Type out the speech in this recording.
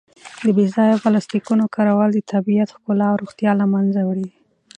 د بې ځایه پلاسټیکونو کارول د طبیعت ښکلا او روغتیا له منځه وړي.